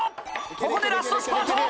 ここでラストスパート！